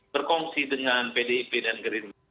berkongsi dengan pdip dan gerindra